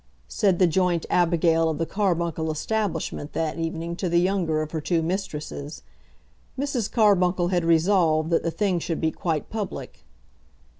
said the joint Abigail of the Carbuncle establishment that evening to the younger of her two mistresses. Mrs. Carbuncle had resolved that the thing should be quite public.